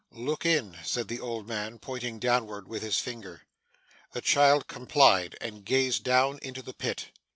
'Look in,' said the old man, pointing downward with his finger. The child complied, and gazed down into the pit.